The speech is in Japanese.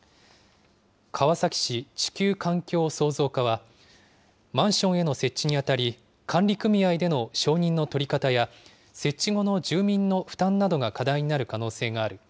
川崎市地球環境創造課は、マンションへの設置にあたり管理組合での承認の取り方や、設置後の住民の負担などが課題になる可能性がある。